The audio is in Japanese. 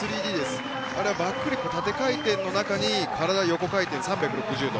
バックフリップ縦回転の中に体を横回転３６０度。